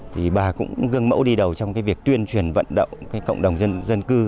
thì bà cũng gương mẫu đi đầu trong cái việc tuyên truyền vận động cộng đồng dân cư